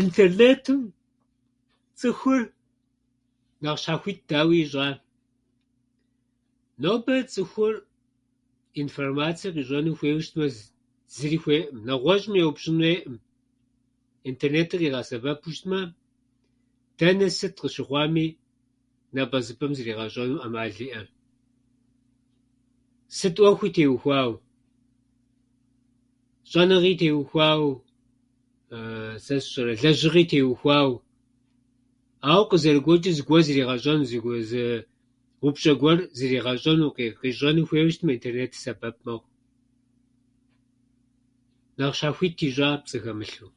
Интернетым цӏыхур нэхъ щхьэхуит дауи ищӏа. Нобэ цӏыхур информацие къищӏэну хуейуэ щытмэ, зыри хуейӏым, нэгъуэщӏым еупщӏын хуейӏым. Интернетыр къигъэсэбэпу щытмэ, дэнэ сыт къыщыхъуами, напӏэзыпӏэм зригъэщӏэну ӏэмал иӏэм, сыт ӏуэхуи теухуау, щӏэныгъи теухуау, сэ сщӏэрэ, лэжьыгъи теухуау. Ауэ къызэрыгуэчӏу зыгуэр зригъэщӏэну зыгу- зы упщӏэ гуэр зригъэщӏэну къи- къищӏэну хуейуэ щытым, интернетыр сэбэп мэхъу. Нэхъ щхьэхуит ищӏа пцӏы хэмылъу.